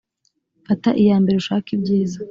fata iya mbere ushake ibyiza